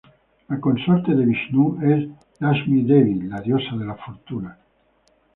La consorte de Vishnu es Laksmi-devi, la Diosa de la fortuna.